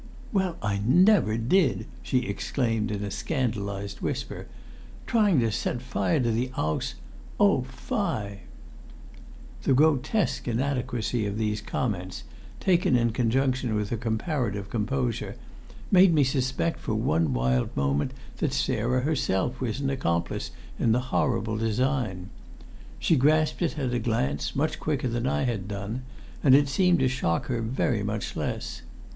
"Well, I never did!" she exclaimed in a scandalised whisper. "Trying to set fire to the 'ouse oh, fie!" The grotesque inadequacy of these comments, taken in conjunction with her comparative composure, made me suspect for one wild moment that Sarah herself was an accomplice in the horrible design. She grasped it at a glance, much quicker than I had done, and it seemed to shock her very much less.